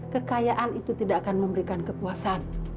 kekayaan itu tidak akan memberikan kepuasan